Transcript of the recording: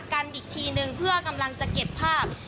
กันอีกทีนึงเพื่อกำลังจะเก็บภาพ